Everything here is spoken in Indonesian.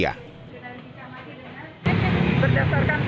sepanjang jalan margonda ini